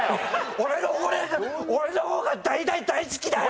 俺の俺の方が大大大好きだよ！！